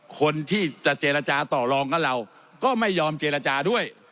คนที่จะเจรจาต่อรองกับเราก็ไม่ยอมเจรจาด้วย